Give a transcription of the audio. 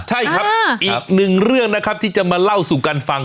ใช่ครับอีกหนึ่งเรื่องนะครับที่จะมาเล่าสู่กันฟัง